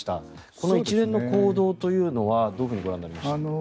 この一連の行動というのはどうご覧になりましたか。